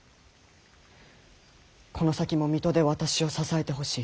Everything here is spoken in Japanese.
この先も水戸で私を支えてほしい。